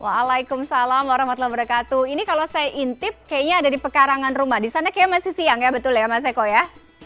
waalaikumsalam warahmatullahi wabarakatuh ini kalau saya intip kayaknya ada di pekarangan rumah di sana kayaknya masih siang ya betul ya mas eko ya